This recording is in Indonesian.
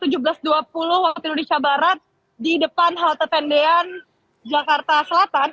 ini memang sejak pukul tujuh belas dua puluh waktu indonesia barat di depan halte tendian jakarta selatan